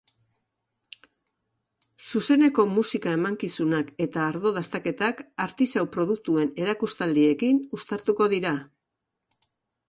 Zuzeneko musika emankizunak eta ardo dastaketak artisau produktuen erakustaldiekin uztartuko dira.